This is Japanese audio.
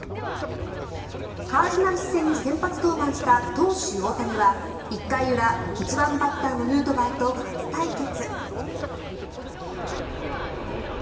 カージナルス戦に先発登板した投手・大谷は１回裏、１番バッターのヌートバーと初対決。